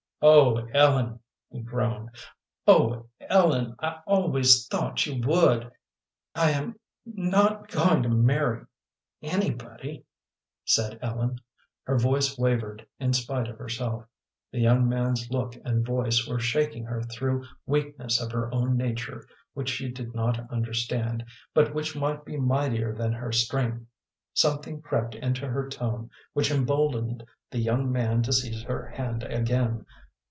"Oh, Ellen," he groaned. "Oh, Ellen, I always thought you would!" "I am not going to marry anybody," said Ellen. Her voice wavered in spite of herself; the young man's look and voice were shaking her through weakness of her own nature which she did not understand, but which might be mightier than her strength. Something crept into her tone which emboldened the young man to seize her hand again.